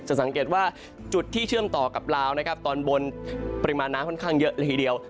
สังเกตว่าจุดที่เชื่อมต่อกับลาวนะครับตอนบนปริมาณน้ำค่อนข้างเยอะเลยทีเดียว